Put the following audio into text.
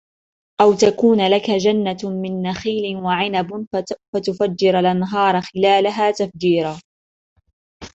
أو تكون لك جنة من نخيل وعنب فتفجر الأنهار خلالها تفجيرا